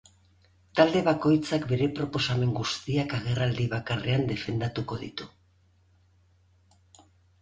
Talde bakoitzak bere proposamen guztiak agerraldi bakarrean defendatuko ditu.